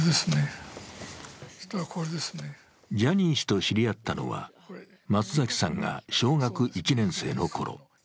ジャニー氏と知り合ったのは松崎さんが小学１年生のころ。